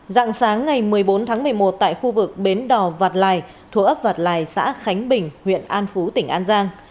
dạng sáng ngày một mươi bốn tháng một mươi một tại khu vực bến đò vạt lài thuộc ấp vạt lài xã khánh bình huyện an phú tỉnh an giang